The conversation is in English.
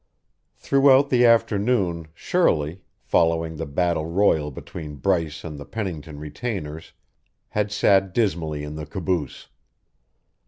Throughout the afternoon Shirley, following the battle royal between Bryce and the Pennington retainers, had sat dismally in the caboose.